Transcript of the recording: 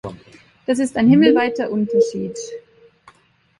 Das ist ein himmelweiter Unterschied.